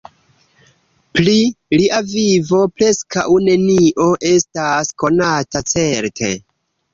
Pri lia vivo preskaŭ nenio estas konata certe.